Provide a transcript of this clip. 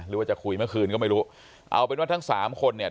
หรือว่าจะคุยเมื่อคืนก็ไม่รู้เอาเป็นว่าทั้งสามคนเนี่ย